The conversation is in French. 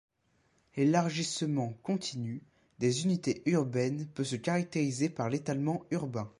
L'élargissement continue des unités urbaines peut se caractériser par l'étalement urbain.